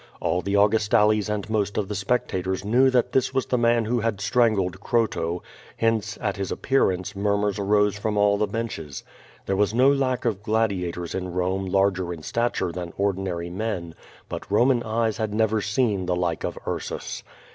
All the Augustales and most of the spectators knew that this was the man who had strangled Croto; hence at his appearance murmurs arose from all the benches. There was no lack of gladiators in Rome larger in stature than ordinary men, but Roman eyes liad never seen the like of Ursus.